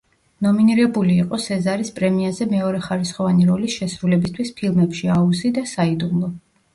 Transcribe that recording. ნომინირებული იყო სეზარის პრემიაზე მეორეხარისხოვანი როლის შესრულებისთვის ფილმებში: „აუზი“ და „საიდუმლო“.